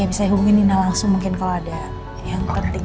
bisa hubungin nina langsung mungkin kalau ada yang penting